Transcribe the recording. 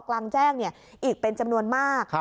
กลางแจ้งอีกเป็นจำนวนมาก